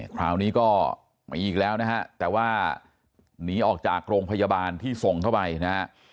คราวนี้ก็มีอีกแล้วนะฮะแต่ว่าหนีออกจากโรงพยาบาลที่ส่งเข้าไปนะฮะ